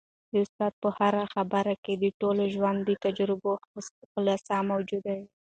د استاد په هره خبره کي د ټول ژوند د تجربو خلاصه موجوده وي.